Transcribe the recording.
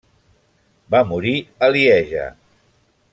Va morir a Lieja.